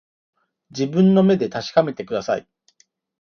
自分の目で確かめてください